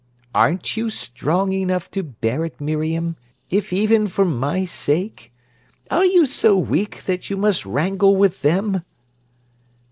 "Aren't you strong enough to bear it, Miriam, if even for my sake? Are you so weak that you must wrangle with them?"